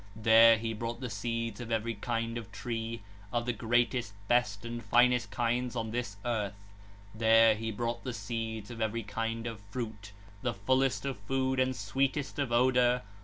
36 (110). There he brought the seeds of every kind of tree, of the greatest, best, and finest kinds on this earth; there he brought the seeds of every kind of fruit, the fullest of food and sweetest of odour.